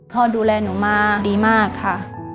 พ่อดูแลหนูมาดีมากค่ะ